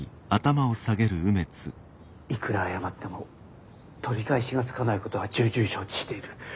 いくら謝っても取り返しがつかないことは重々承知している。